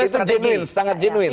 iya strategi yang jenuin